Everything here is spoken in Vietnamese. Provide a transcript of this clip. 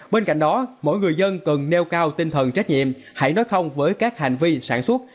bên cạnh đó mỗi người dân cần nêu cao tinh thần trách nhiệm hãy nói không với các hành vi sản xuất